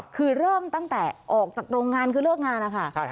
คือเริ่มตั้งแต่ออกจากโรงงานคือเลิกงานนะคะ